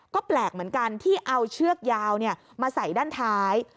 ก็แปลกเหมือนกันที่เอาเชือกยาวมาใส่ด้านท้าย